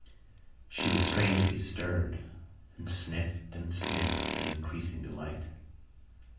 She was strangely stirred, and sniffed and sniffed with an increasing delight.